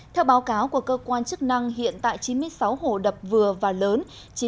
theo báo cáo của cơ quan chức năng hiện tại chín mươi sáu hồ đập vừa và lớn